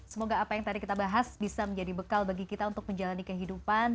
semoga apa yang tadi kita bahas bisa menjadi bekal bagi kita untuk menjalani kehidupan